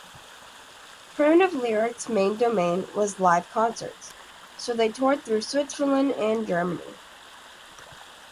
Primitive Lyrics' main domain was live concerts, so they toured through Switzerland and Germany.